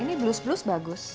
ini blus blus bagus